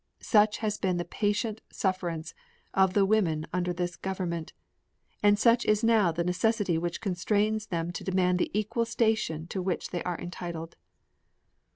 Such has been the patient sufferance of the women under this government, and such is now the necessity which constrains them to demand the equal station to which they are entitled.